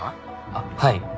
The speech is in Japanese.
あっはい。